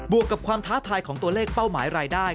วกกับความท้าทายของตัวเลขเป้าหมายรายได้